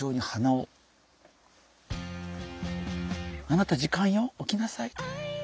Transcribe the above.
「あなた時間よ起きなさい！」。